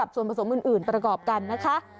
ส่วนผสมอื่นประกอบกันนะคะ